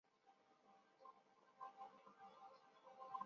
赫斯当时在第二次世界大战带领一艘船以回声测深仪收集资料。